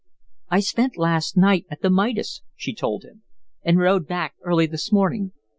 "I spent last night at the Midas," she told him, "and rode back early this morning.